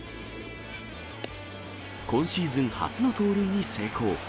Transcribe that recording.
今シーズン初の盗塁に成功。